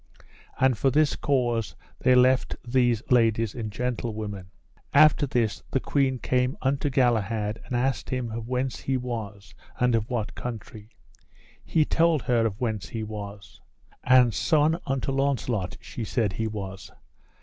And for this cause they left these ladies and gentlewomen. After this the queen came unto Galahad and asked him of whence he was, and of what country. He told her of whence he was. And son unto Launcelot, she said he was.